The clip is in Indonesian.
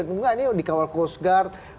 bukan ya di kawal coast guard